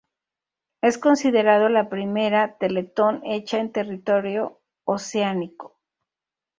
Es considerado la primera Teletón hecha en territorio oceánico.